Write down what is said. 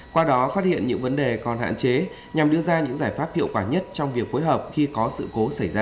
qua đó phát hiện những vấn đề còn hạn chế nhằm đưa ra những giải pháp hiệu quả nhất trong việc phối hợp khi có sự cố xảy ra